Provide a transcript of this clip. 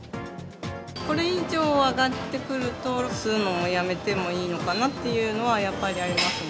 これ以上上がってくると、吸うのをやめてもいいのかなっていうのはやっぱりありますね。